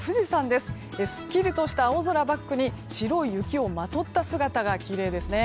すっきりとした青空をバックに白い雪をまとった姿がきれいですね。